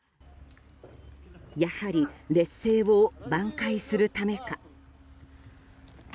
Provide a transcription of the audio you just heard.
やはり、劣勢を挽回するためか。